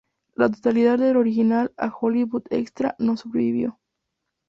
La totalidad del original "A Hollywood Extra" no sobrevivió.